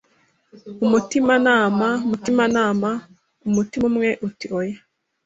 Umutimanama mutimanama Umutima umwe uti “oya”